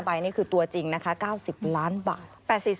ใบนี่คือตัวจริงนะคะ๙๐ล้านบาท